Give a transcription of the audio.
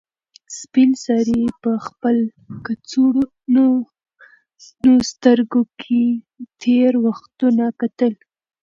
سپین سرې په خپل کڅوړنو سترګو کې تېر وختونه کتل.